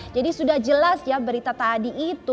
jadi sudah jelas ya berarti kita harus menjelaskan itu